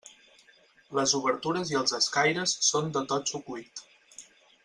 Les obertures i els escaires són de totxo cuit.